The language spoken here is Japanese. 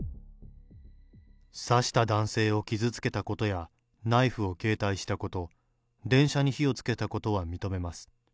刺した男性を傷つけたことや、ナイフを携帯したこと、電車に火をつけたことは認めます。